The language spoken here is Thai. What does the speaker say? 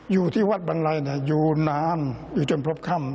อยู่ที่วัดบังไลอยู่นานอยู่จนพบค่ำ